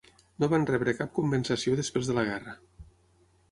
No van rebre cap compensació després de la guerra.